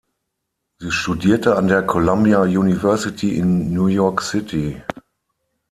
Sie studierte an der Columbia University in New York City.